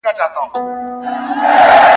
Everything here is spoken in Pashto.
دا دي کټ دا دي پوزى، دا دي پوله دا پټى.